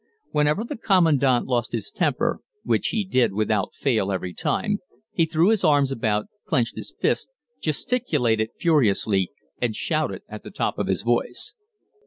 Whenever the Commandant lost his temper, which he did without fail every time, he threw his arms about, clenched his fists, gesticulated furiously, and shouted at the top of his voice.